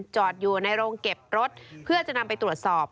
จอดอยู่ในโรงเก็บรถเพื่อจะนำไปตรวจสอบ